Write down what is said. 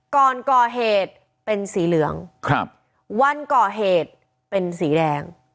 ก่อนก่อเหตุเป็นสีเหลืองครับวันก่อเหตุเป็นสีแดง